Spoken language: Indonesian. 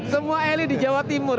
semua elit di jawa timur